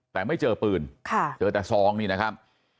แต่ไม่เจอปืนเจอแต่ซองนี่นะครับ